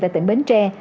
tại tỉnh bến tre